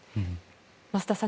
増田さん